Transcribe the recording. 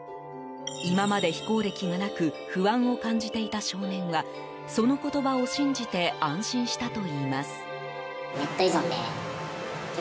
今まで非行歴がなく不安を感じていた少年はその言葉を信じて安心したといいます。